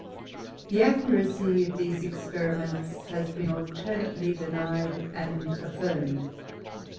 The accuracy of these experiments has been alternately denied and affirmed.